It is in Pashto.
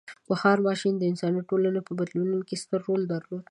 • بخار ماشین د انساني ټولنو په بدلون کې ستر رول درلود.